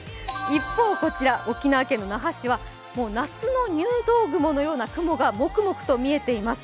一方、こちら沖縄県の那覇市はもう夏の入道雲のような雲がもくもくと見えています。